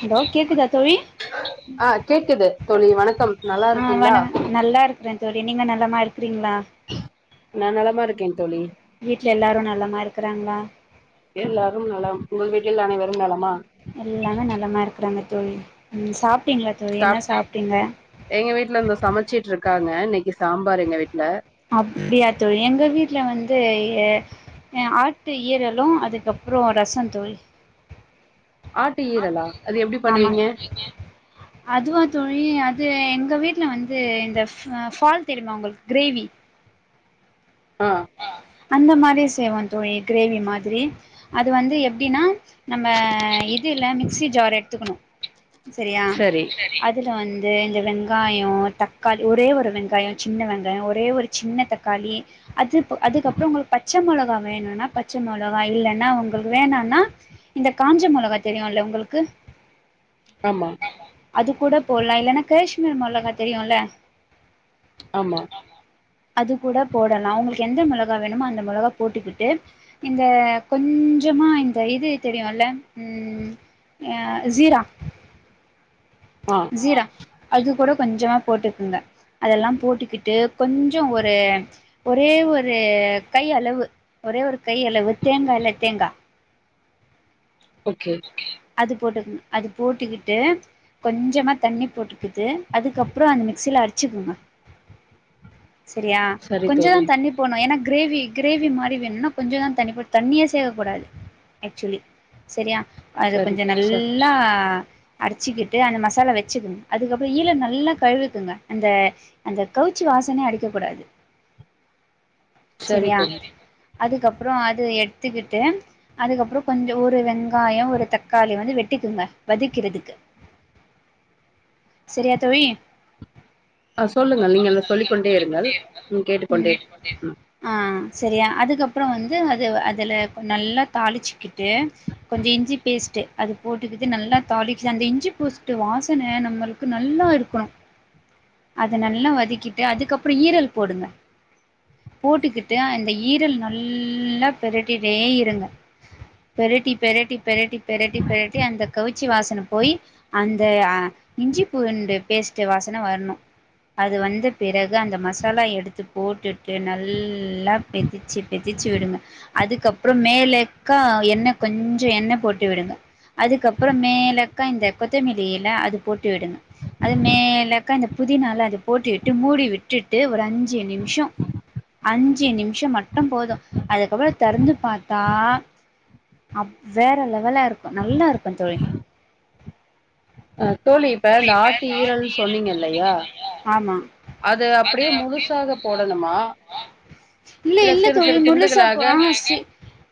Hello கேக்குதா தோழி ஆ கேக்குது தோழி வணக்கம் நல்லா ஆ இருக்கீங்களா வணக் நல்லா இருக்கறேன் தோழி நீங்கள் நலமா இருக்கிறீங்களா நான் நலமா இருக்கேன் தோழி வீட்ல எல்லாரு நல்லமா இருக்குறாங்களா எல்லாரும் நலம் உங்கள் வீட்டில் அனைவரும் நலமா எல்லாமே நலமா இருக்குறாங்க தோழி ம் சாப்பிட்டிங்களா தோழி என்ன சாப் சாப்ட்டீங்க எங்க வீட்ல இந்த சமச்சிட்ருக்காங்க இன்னைக்கி சாம்பார் எங்க வீட்ல அப்டியா தோழி எங்க வீட்ல வந்து எ அ ஆட்டு ஈரலு அதுக்கப்றோ ரசந் தோழி ஆட்டு ஈரலா அது எப்டி ஆமா பண்ணுவீங்க அதுவா தோழி அது எங்க வீட்ல வந்து இந்த ஃப் ஃபால் தெரிமா உங்களுக் கிரேவி ஆ அந்த மாரி செய்வோ தோழி கிரேவி மாதிரி அது வந்து எப்டினா நம்ம இதுல மிக்சி ஜார் எடுத்துக்குணு செரியா சரி அத் அதுல வந்து இந்த வெங்காயோ தக்காளி ஒரே ஒரு வெங்காய சின்ன வெங்காய ஒரே ஒரு சின்ன தக்காளி அதுப் அதுக்கப்றோ உங்களுக் பச்ச மொளகா வேணுனா பச்ச மொளகா இல்லனா உங்களுக்கு வேணானா இந்த காஞ்ச மொளகா தெரியுல உங்களுக்கு ஆமா அது கூட போட்லா இல்லனா கேஷ்மீர் மொளகா தெரியுல ஆமா அது கூட போடலா உங்களுக்கு எந்த மொளகா வேணுமோ அந்த மொளகா போட்டுக்கிட்டு இந்த கொஞ்சமா இந்த இது தெரியுல ம் எ அத் ஜீரா ஆ ஜீரா அது கூட கொஞ்சமா போட்டுக்குங்க அதெல்லா போட்டுக்கிட்டு கொஞ்சோ ஒரு ஒரே ஒரு கை அளவு ஒரே ஒரு கை அளவு தேங்கா இல்ல தேங்கா ஓகே அது போட்டுக்னு அது போட்டுக்கிட்டு கொஞ்சமா தண்ணி போட்டுக்கிட்டு அதுக்கப்றோ அந்த மிக்சில அடிச்சுக்குங்க செரியா சரி கொஞ்சதா தோழி தண்ணி போட்னு ஏன்னா கிரேவி கிரேவி மாறி வேணுனா கொஞ்சதா தண்ணி போட் தண்ணியே சேக்ககூடாது ஆக்சுலி செரியா அது சரி கொஞ்ச ச நல்லா அரச்சுக்கிட்டு அந்த மசாலா வச்சுக்குங்க அதுக்கப்றோ ஈழல் நல்லா கழுவிக்குங்க அந்த அந்த கவுச்சி வாசனே அடிக்க கூடாது சரி செரியா தோழி அதுக்கப்றோ அது எத்துக்கிட்டு அதுக்கப்றோ கொஞ்ச ஒரு வெ ங்காயோ ஒரு தக்காளி வந்து வெட்டிக்குங்க வதக்கிறதுக்கு செரியா தோழி ஆ சொல்லுங்கள் நீங்கள் சொல்லிக்கொண்டே இருங்கள் ம் கேட்டுக்கொண்டே இரு ம் ஆ செரியா அதுக்கப்றோ வந்து அது அதுல நல்லா தாளிச்சுக்கிட்டு கொஞ்ச இஞ்சி பேஸ்ட்டு அது போட்டுக்கிட்டு நல்லா தாளிச்சந்த இஞ்சி பேஸ்ட்டு வாசன நம்மளுக்கு நல்லா இருக்குணு அத நல்லா வதக்கிட்டு அதுக்கப்றோ ஈரல் போடுங்க போட்டுக்கிட்டு அந்த ஈரல் நல்லா பெரட்டிட்டே இருங்க பெரட்டி பெரட்டி பெரட்டி பெரட்டி பெரட்டி அந்த கவுச்சி வாசன போய் அந்த அ இஞ்சி பூண்டு பேஸ்ட்டு வாசன வர்ணு அது வந்த பிறகு அந்த மசாலா எடுத்து போட்டுட்டு நல்லா பெதிச்சு பெதிச்சு விடுங்க அதுக்கப்றோ மேலேக்கா எண்ண கொஞ்ச எண்ண போட்டு விடுங்க அதுக்கப்றோ மேலக்கா இந்த கொத்தமல்லி எல அது போட்டு விடுங்க அது மேலேக்க அந்த புதினால அத போட்டு விட்டு மூடி விட்டுட்டு ஒரு அஞ்சு நிமிஷோ அஞ்சு நிமிஷோ மட்டு போது அதுக்கப்றோ தொறந்து பாத்தா அவ் வேற லெவலா இருக்கு நல்லா இருக்கு தோழி ஆ தோழி கூட இந்த இப்ப ஆட்டு கார்லி ஈரல்னு சொன்னீங்க எலன் இல்லையா சொன்னிங்கில்லையா அது அப்டியே முழுசா தா போடணுமா இல்ல இல்ல சிறு தோழி சிறு முழுசா துண்டுகளாக போ ஆ செ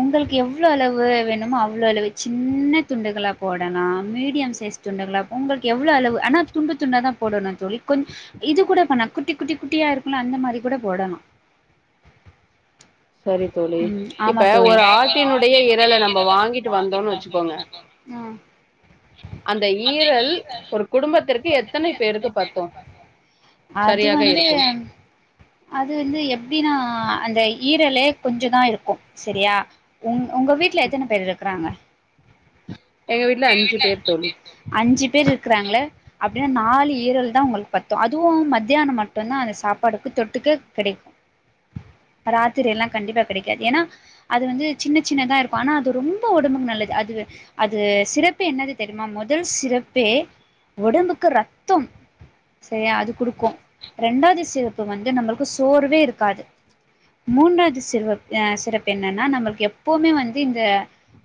உங்களுக் எவ் ளோ அளவு வேணுமோ அவ்ளோ அளவு சின்ன துண்டுகளா போடலாம் மீடியம் சைஸ் துண்டுகலா உங்களுக் எவ்ளோ அளவு ஆனா துண்டு துண்டா தா போடணு தோழி கொஞ் இது கூட பண்ணா குட்டி குட்டி குட்டியா இருக்குல அந்த மாரி கூட போடலா செரி தோழி ம் ஆமா இப்ப தோழி ஒரு ஆட்டினுடை ய இரல நம்ப வாங்கிட்டு வந்தோன் வெச்சுக்கோங்க ஆ அந்த ஈரல் ஒரு குடும்பத்திற்கு எத்தனை பேருக்கு பத்து அது வந்து அது வந்து எப்டின்னா அந்த ஈரலே கொஞ்சதா இருக்கு செரியா உங் உங்க வீட்ல எத்தன பேர் இருக்கறாங்க எங்க வீட்ல அஞ்சு பேர் தோழி அஞ்சு பேர் இருக்கறாங்கல்ல அப்டினா நாலு ஈரல் தா உங்களுக் பத்து அதுவு மத்தியான மட்டுந்தா அந்த சாப்பாடுக்கு தொட்டுக்க கிடைக் ராத்திரி எல்லா கண்டிப்பா கிடைக்காது ஏனா அது வந்து சின்ன சின்னதா இருக்கு ஆனா அது ரொம்போ ஒடம்புக் நல்லது அது அது சிறப்பே என்னது தெரியுமா மொதல் சிறப்பே உடம்புக்கு ரத்தம் செர்யா அது குடுக்கு ரெண்டாவ்து சிறப்பு வந்து நம்மளுக்கு சோர்வே இருக்காது மூன்றாவது சிறப் அ சிறப்பு என்னன்னா நம்மளுக்கு எப்போமே வந்து இந்த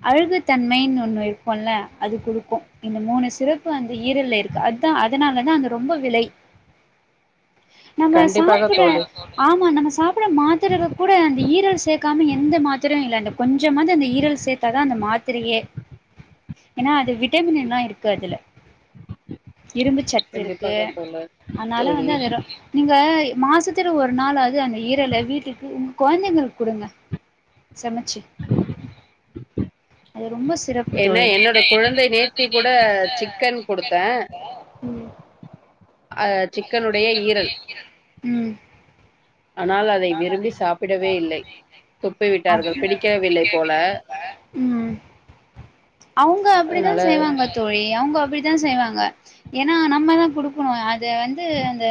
அழுகு தன்மைன் ஒண்ணு இருக்குல்ல அது குடுக் கு இந்த மூணு சிறப்பு அந்த ஈரல்ல இருக்கு அதா அதனாலதா அந்த ரொம்போ விலை நம்ம கண்டிப்பாக சாப்புற தோழி ஆமா நம்ம சாப்புற மாத்திரைல கூட அந்த ஈரல் சேக்காம எந்த மாத்திரையு இல்ல அந்த கொஞ்சமாது அந்த ஈரல் சே த்தா தா அந்த மாத்திரையே ஏனா அது விட்டமின்ல்லா இருக் கு அதுல இரும்பு சத்து இருக்கு கண்டிப்பாக தோழ அனால தோழி வந்து அது ரொ நீங்க மாசத்துல ஒரு நாளாவ்து அந்த ஈரல வீட்டுக்கு உங் கொழந்தைங்களுக்கு குடுங்க சமச்சி அது ரொம்போ சிறப் என்ன என்னோட குழந்தை நேத்திக் கூட சிக்கன் [unintelligible] அ சிக்கனுடைய ஈரல் ம் ஆனால் அதை விரும்பி சாப்பிடவே இல்லை துப்பி அப் விட்டார்கள் பிடிக்க வில்லை போல ம் அவுங்க அப்டிதா அதனால செய்வாங்க தோழி அவங்க அப்படித்தா செய்வாங்க ஏன்னா நம்ம தா குடு க்குனு அத வந்து அந்த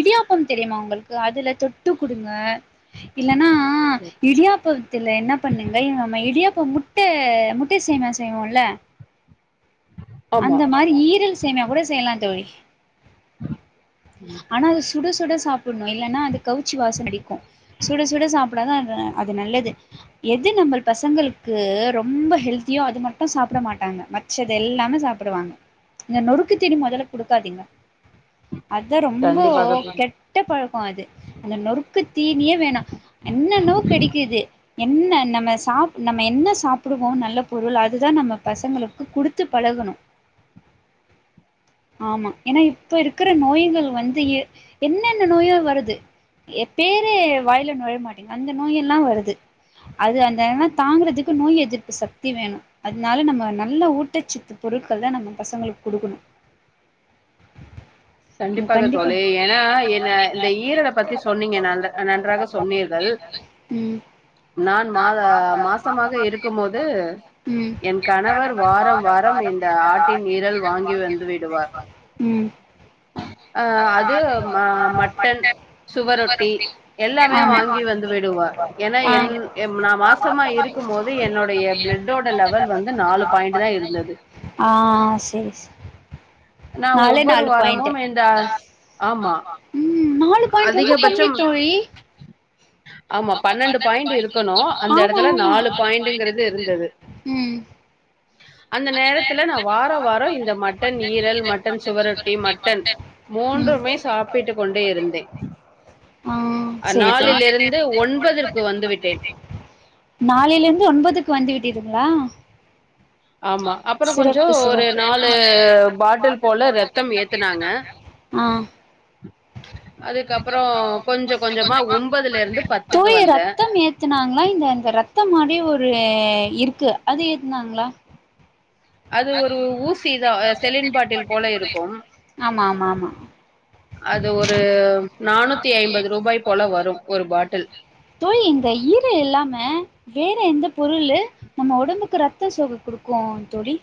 இடியாப்பம் தெரியுமா உங்களுக்கு அதுல தொட்டு குடுங்க இல்லன்னா இடியாப்போ துல என்ன பண்ணுங்க நம்ம இடியாப்பம் முட்ட முட்டை சேமியா செய்வோல்ல ஆமா அந்த மாரி ஈரல் சேமியா கூட செய்யலா தோழி ம், ஆனா அது சுடசுட சாப்பிட்னு இல்லன்னா அது கவுச்சி வாசோ அடிக்கு சுட சுட சாப் பிடா தா அது நல்லது எது நம்மள் பசங்களுக்கு ரொம்ப ஹெல்த்தியோ அது மட்டு சாப்ட மாட்டாங்க மத் ச்சது எல்லாமே சாப்புடுவாங் இந்த நொறுக்கு தீனி மொதல்ல குடுக்காதீங்க அதா ரொம்போ கண்டிப்பாக கெட்ட பழக்கோ அது அந்த நொறுக்கு தீனியே வேணா என்னென்னவோ கெடைக்குது என்ன நம்ம சாப் நம்ம என்ன சாப்புடுவோ நல்ல பொருள் அது தா நம்ம பசங்களுக்கு குடுத்து பழகணு ஆமா ஏன்னா இப்ப இருக்கிற நோய்கள் வந்து எ என்னென்ன நோயோ வருது எ பேரே வாயில நுழைய மாட்டீங்குது அந்த நோய் எல்லா வருது அது அந்த தாங்குறதுக்கு நோய் எதிர்ப்பு சக்தி வேணு அதனால நம்ம நல்ல ஊட்டச்சத்து பொருட்கள் தா நம்ம பசங்களுக் குடுக்கணு ம் கண்டிப்பாக கண்டிப்பா தோழி ஏன்னா என்ன இந்த ஈரல பத்தி சொன்னீங்க ந அந்த நன்றாக சொன்னீர்கள் ம் நான் மாத மாசமாக இருக்கும் போது ம் என் கணவர் வாரம் வாரம் என் இந்த ஆட்டின் ஈரல் வாங்கி வந்து விடுவார் ம் அ ஆமா அது ம மட்டன் சுவரொட்டி எல்லாமே வாங்கி வந்து விடுவார் ஏன்னா என் எ நா மாசமா இருக்கும் போது என்னுடைய பிளட் டோட லெவல் வந்து நாலு பாயிண்ட்டு தா இருந்தது ஆ செர்ஸ் நாலே நாலு பாயிண்ட்டு த ஆமா ம் நாலு பாயிண்ட் ரொம்ப கம்மி அதிகபட்சம் தோழி ஆமா பன்னெண்டு பாயிண்ட் இருக்கணு அந்த ஆமா இடத்துல நாலு பாயிண்ட்ங்கிறது இருந்தது ம் அந்த நேரத்துல நா வார வார இந்த மட்டன் ஈரல் மட்டன் சுவரொட்டி மட்டன் ம் மூன்றுமே சாப்பிட்டு கொண் டே இருந்தே ஆ அ செரி தோழி நாளிலிருந்து ஒன்பதற்கு வந்து விட்டேன் நாளிலிருந்து ஒன்பதுக்கு வந்து விட்டீர்ங்களா ஆமா. அப்புறம் சிறப்பு கொஞ்சம் ஒரு சிறப்பு பாட்டில் போல ரத்தம் ஏத்துனாங்க. ஆ அதுக்கப்புறம் கொஞ்சம் கொஞ்சமா தோழி வந்தேன். ரத்தம் ஏ த்துனாங்களா இல்ல இந்த ரத்தம் மாரி ஒரு இருக்கு அது ஏத்துனாங்களா அது ஒரு ஊசிதா செலின்பாட்டில் போல இருக்கும் ஆமா ஆமா ஆமா அது ஒரு நானூத்தி ஐம்பது ரூபாய் போல வரும் ஒரு பாட்டில் தோழி இந்த ஈரல் இல்லாம வேற எந்த பொருளு நம்ம ஒடம்புக்கு ரத்த சோகை கொடுக்கு தோழி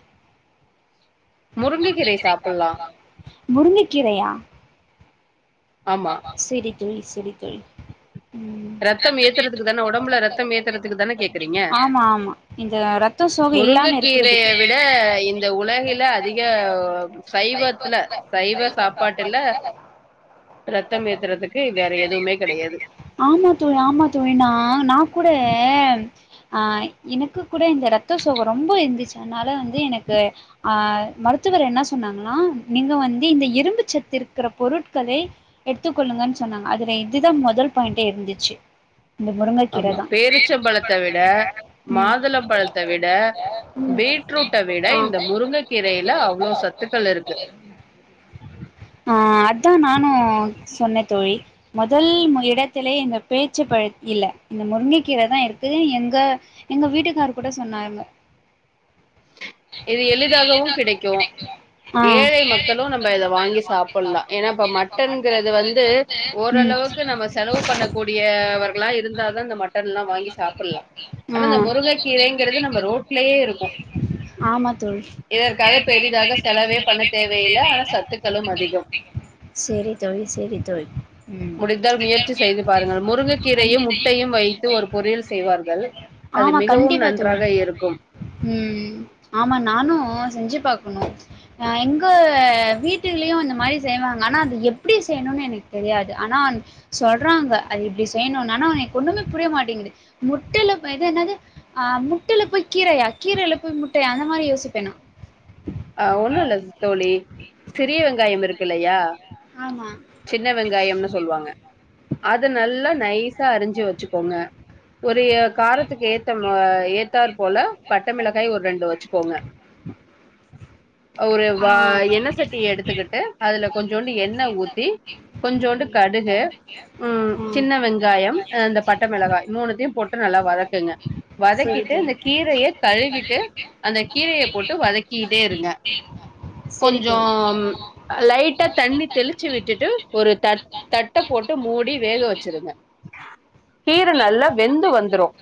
முருங்கைக்கீரை சாப்பிடலாம். முருங்கக்கீரையா ஆமா. சேரி தோழி சேரி தோழி ம் ரத்தம் ஏத்துறதுக்கு தான ஒடம்புல ரத்தம் ஏத்துறதுக்கு தான கேக்குறீங்க ஆமா ஆமா இந்த ரத்த சோகை இல்லாம முருங்கக்கீரைய இருக்கிறதுக்கு விட இந்த உலகில அதிக சைவத்துல சைவ சாப்பாட்டுல ரத்தம் ஏற்று வதற்கு வேற எதுவுமே கெடையாது ஆமா தோழி ஆமா தோழி நா கூட அ எனக்கு கூட இந்த ரத்த சோகை ரொம்ப இருந்துச்சு அதுனால வந்து எனக்கு ஆ மருத்துவர் என்ன சொன்னாங்கன்னா நீங்க வந்து இந்த இரும்புச் சத்து இருக்கிற பொருட்களை எடுத்துக்கொள்ளுங்கன்னு சொன்னாங்க அதுல இதுதா மொதல் பாயிண்ட்டே இருந்துச்சு இந்த முருங்கக்கீர ஆமா தா பேரிச்சம்பழத்த விட ம் மாதுளம்பழத்த விட ம் பீட்ரூட்ட விட இந்த முருங்க கீரையில அவ்ளோ சத்துக்கள் இருக்கு ஆ அதா நானு சொன்னே தோழி மொதல் எடத்திலேயே இந்த பேச்சு பழம் இல்ல இந்த முருங்க கீரை தா இருக்கு எங்க எங்க வீட்டுக்கார் கூட சொன்னாங்க [unintelligible] இது எளிதாவு கிடைக்கு ஆ ஏழை மக்களு நம்ம இத வாங்கி சாப்படல்லா ஏன்னா இப்ப மட் மட்டன்ங்கறது இது வந்து ம் ஓரளவுக்கு நம்ம செலவு பண்ணக்கூடியவர்களா இருந்தா தா இந்த மட்டன் எல்லா வாங்கி சாப்படல்லா ஆனா ஆ இந்த முருங்க கீரைங்கிறது நம்ம ரோட்லயே இருக்கும் ஆமா தோழி இதற்காக பெரிதாக செலவே பண்ண தேவையில்ல ஆனா சத்துக்கள் [unintelligible] சேரி தோழி சேரி தோழி முடிந்தால் முயற்சி செய்து பாருங்கள் முருங்கைக்கீரையும் முட்டையும் வைத்து ஒரு பொரியல் செய்வார்கள் [inaudible] அது ஆமா மிகவும் கண்டிப்பா தோழி நன்றாக இருக்கும் ம் ஆமா நானு செஞ்சி பாக்கணு எங்க வீட்டிலயு இந்த மாறி செய்வாங்க ஆனா அது எப் ப்டி செய்யணுனு எனக்கு தெரியாது ஆனா சொல்றாங்க அது இப்டி செய்ணுனு ஆனா எனக்கு ஒண்ணுமே புரிய மாட்டங்குது முட்டைல இது என்னது ஆ முட்டையில போய் கீரையா கீரைல போய் முட்டையா அந்த மாறி யோசிப்பே நா ஆ ஒண்ணுமில்ல தோழி சிறிய வெங்காயம் இருக்கில்லையா ஆமா சின்ன வெங்காயம்னு சொல்லுவாங்க அத நல்லா நைஸா அரிஞ்சு வச்சுக்கோங்க ஒரு காரத்துக்கு ஏத்த ஏத்தார் போல பட்டமிளகாய் ஒரு ரெண்டு வச்சுக்கோங்க [unintelligible] ஒரு வா எண்ண சட்டிய எடுத்துக்கிட்டு அதுல கொஞ்சோண்டு எண்ண ஊத் தி கொஞ்சுண்டு கடுகு ம் சின்ன வெங்காயம் இந்த பட்டைமிளகாய் மூணுத்துயு போட்டு நல்லா வதக்குங்க வதக்கிட்டு இந்த கீரைய கழுவிட்டு அந்த கீரைய போட்டு வதக்கிட்டே இருங்க சரி தோழி கொஞ்சம் லைட்டா தண்ணி தெளி ச்சி விட்டுட்டு ஒரு த தட்ட போட்டு மூடி வேக வச்சிருங்க கீர நல்லா வெந்து வந்துரும்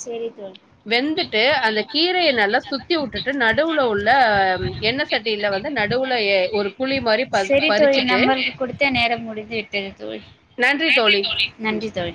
சேரி தோழி வெந்துட்டு அந்த கீரைய நல்லா சுத்தி விட்டுட்டு நடுவுல உள்ள என்ன எண்ண சட்டியில வந்து நடுவுல எ ஒரு குழி மாரி பறி பறிச்சுட்டு த்த நேரம் முடிந்து விட்டது தோழி நன்றி தோழி ம் நன்றி தோழி